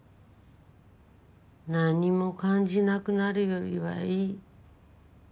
なんにも感じなくなるよりはいい。